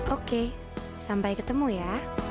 oke sampai ketemu ya